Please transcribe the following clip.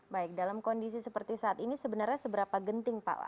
baik dalam kondisi seperti saat ini sebenarnya seberapa genting pak